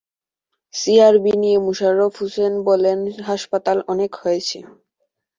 CRB নিয়ে মোশাররফ হোসেন বলেন, হাসপাতাল অনেক হয়েছে।